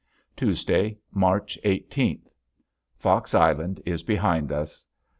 Tuesday, March eighteenth. Fox Island is behind us.